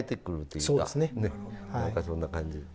何かそんな感じで。